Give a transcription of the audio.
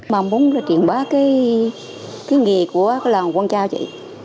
mà muốn là truyền bá cái nghề của cái làng quân trao chị